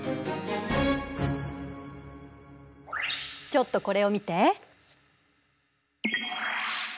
ちょっとこれを見て。